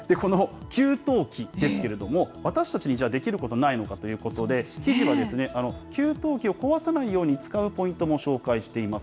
この給湯器ですけれども、私たちにじゃあ、できることはないのかということで、記事は給湯器を壊さないように使うポイントも紹介しています。